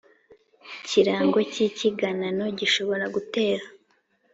Kirango cy icyiganano gishobora gutera